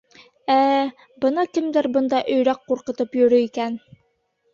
— Ә-ә, бына кемдәр бында өйрәк ҡурҡытып йөрөй икән!..